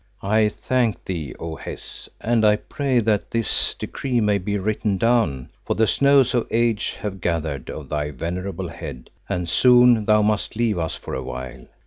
"I thank thee, O Hes, and I pray that this decree may be written down, for the snows of age have gathered on thy venerable head and soon thou must leave us for awhile.